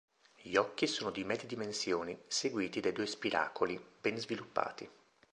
Gli occhi sono di medie dimensioni, seguiti dai due spiracoli, ben sviluppati.